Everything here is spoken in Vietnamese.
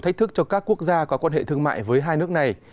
chúc các quốc gia có quan hệ thương mại với hai nước này